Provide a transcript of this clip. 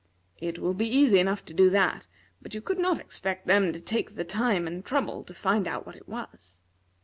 It will be easy enough to do that, but you could not expect them to take the time and trouble to find out what it was."